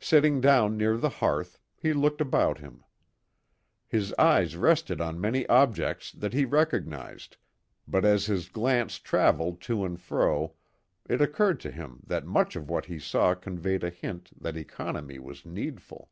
Sitting down near the hearth, he looked about him. His eyes rested on many objects that he recognised, but as his glance travelled to and fro it occurred to him that much of what he saw conveyed a hint that economy was needful.